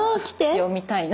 読みたいな。